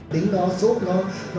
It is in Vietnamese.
tính nó sốt nó dễ vỡ